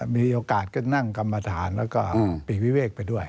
มีอกาศนั่งกรรมอาธารและปีกวิเวกไปด้วย